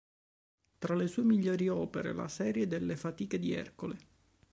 Tra le sue migliori opere la serie delle "Fatiche di Ercole".